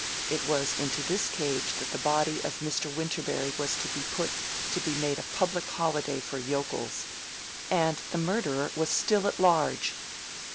It was into this cage that the body of Mr. Winterberry was to be put to make a public holiday for yokels! And the murderer was still at large!